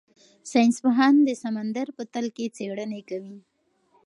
ساینس پوهان د سمندر په تل کې څېړنې کوي.